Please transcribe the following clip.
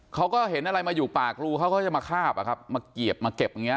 เขาก็เห็นอะไรมาอยู่ปากรูเขาก็จะมาคาบอะครับมาเกียบมาเก็บอย่างนี้